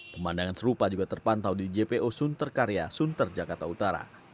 pemandangan serupa juga terpantau di jpo sunter karya sunter jakarta utara